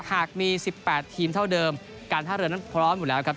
หากมี๑๘ทีมเท่าเดิมการท่าเรือนั้นพร้อมอยู่แล้วครับ